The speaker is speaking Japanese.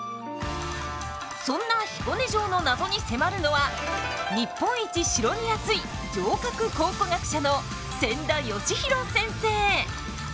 そんな彦根城の謎に迫るのは日本一城に熱い城郭考古学者の千田嘉博先生！